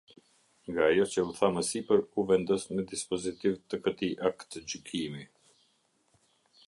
Nga ajo që u tha më sipër, u vendos në dispozitiv të këtij aktgjykimi.